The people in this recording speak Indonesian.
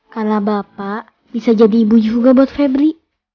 karena bapak bisa jadi ibu juga buat pebri